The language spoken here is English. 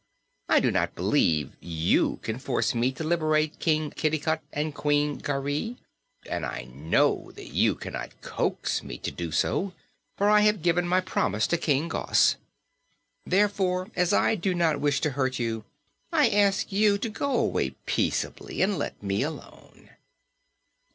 I do not believe you can force me to liberate King Kitticut and Queen Garee, and I know that you cannot coax me to do so, for I have given my promise to King Gos. Therefore, as I do not wish to hurt you, I ask you to go away peaceably and let me alone."